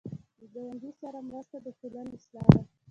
د ګاونډي سره مرسته د ټولنې اصلاح ده